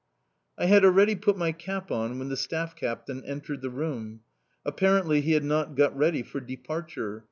I had already put my cap on when the staff captain entered the room. Apparently he had not got ready for departure.